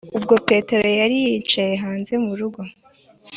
Ubwo Petero yari yicaye hanze mu rugo